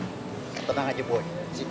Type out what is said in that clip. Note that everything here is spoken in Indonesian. tengah tengah aja boy